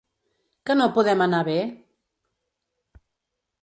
Que no podem anar bé?